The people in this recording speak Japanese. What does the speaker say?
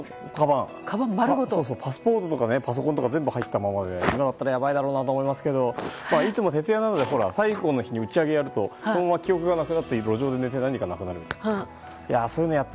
パスポートとかパソコン全部入ったままで今だったらやばいと思いますが徹夜とかだったら最後の日に打ち上げをやるとそのまま記憶がなくなって路上で寝て何かなくなってて。